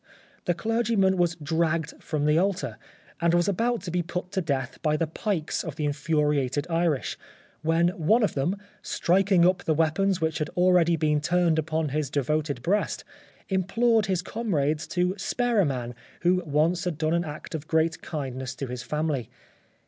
The clergyman was dragged from the altar, and was about to be put to death by the pikes of the infuriated Irish, when one of them, striking up the weapons which had already been turned upon his devoted breast, implored his comrades to spare a man who once had done an act of great kindness to his family.